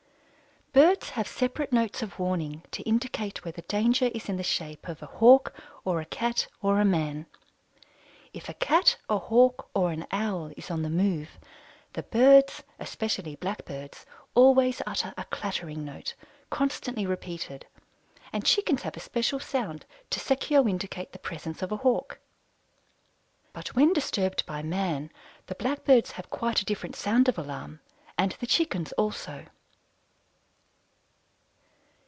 Birds have separate notes of warning to indicate whether danger is in the shape of a Hawk or a Cat or a man. If a Cat, a Hawk, or an Owl is on the move, the Birds, especially Blackbirds, always utter a clattering note, constantly repeated, and Chickens have a special sound to indicate the presence of a Hawk. But when disturbed by man the Blackbirds have quite a different sound of alarm and the Chickens also.